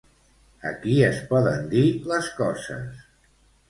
Aquí es poden dir les coses.